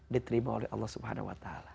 diterima oleh allah subhanahu wa ta'ala